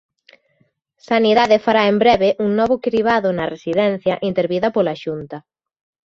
Sanidade fará en breve un novo cribado na residencia, intervida pola Xunta.